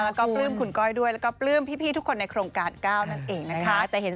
แล้วก็ปลื้มคุณก้อยด้วยแล้วก็ปลื้มพี่ทุกคนในโครงการ๙นั่นเองนะคะ